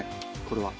これは。